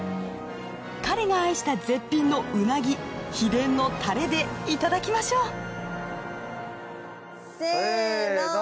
彼が愛した絶品のうなぎ秘伝のタレでいただきましょうせの！